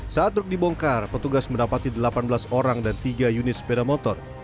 saat truk dibongkar petugas mendapati delapan belas orang dan tiga unit sepeda motor